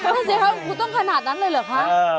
นั่นสิครับคุณต้องขนาดนั้นเลยเหรอคะ